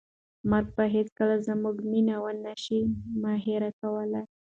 مرګ به هیڅکله زموږ مینه ونه شي مهار کولی.